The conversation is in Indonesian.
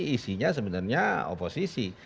isinya sebenarnya oposisi